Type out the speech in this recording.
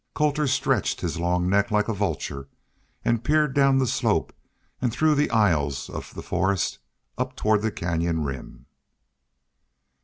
Colter stretched his long neck like a vulture and peered down the slope and through the aisles of the forest up toward the canyon rim.